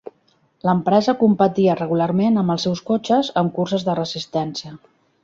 L'empresa competia regularment amb els seus cotxes en curses de resistència.